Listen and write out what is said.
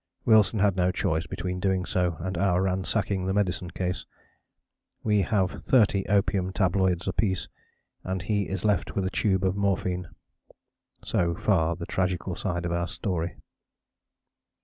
Wilson had no choice between doing so and our ransacking the medicine case. We have 30 opium tabloids apiece and he is left with a tube of morphine. So far the tragical side of our story.